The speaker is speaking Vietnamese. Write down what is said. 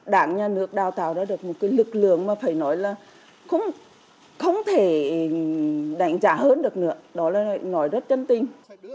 đảng nhà nước đào tạo ra được một lực lượng mà phải nói là không thể đánh giá hơn được nữa đó là nói rất chân tình